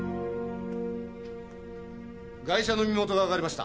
ガイシャの身元がわかりました。